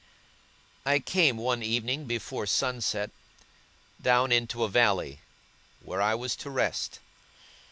I came, one evening before sunset, down into a valley, where I was to rest.